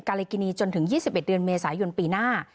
ลิกินีจนถึง๒๑เดือนเมษายนปีหน้า